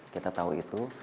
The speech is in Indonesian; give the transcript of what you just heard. kita tahu itu